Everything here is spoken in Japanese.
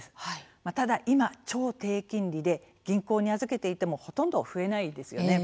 ただ、今、超低金利で銀行に預けていてもほとんど増えないですよね。